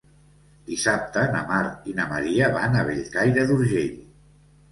Dissabte na Mar i na Maria van a Bellcaire d'Urgell.